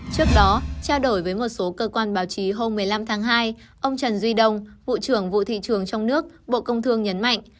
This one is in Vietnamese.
trước đó trao đổi với một số cơ quan báo chí hôm một mươi năm tháng hai ông trần duy đông vụ trưởng vụ thị trường trong nước bộ công thương nhấn mạnh